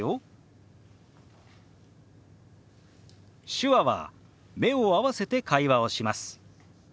手話は目を合わせて会話をします。